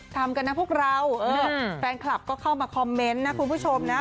ทำกันนะพวกเราแฟนคลับก็เข้ามาคอมเมนต์นะคุณผู้ชมนะ